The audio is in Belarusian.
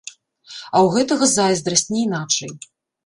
А ў гэтага зайздрасць, не іначай.